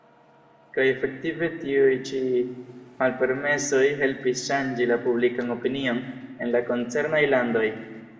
Kaj efektive tiuj ĉi malpermesoj helpis ŝanĝi la publikan opinion en la koncernaj landoj.